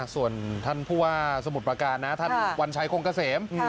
ส่วนท่านผู้ว่าสมุทรประการนะท่านวัญชัยคงเกษม